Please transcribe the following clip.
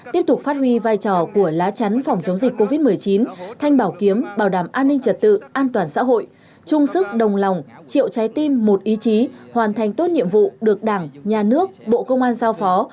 tiếp tục phát huy vai trò của lá chắn phòng chống dịch covid một mươi chín thanh bảo kiếm bảo đảm an ninh trật tự an toàn xã hội chung sức đồng lòng chịu trái tim một ý chí hoàn thành tốt nhiệm vụ được đảng nhà nước bộ công an giao phó